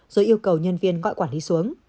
rồi yêu cầu nhân viên gọi quản lý xuống